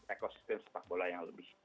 ekosistem sepak bola yang lebih